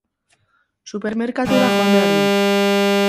Supermerkatura joan behar dut.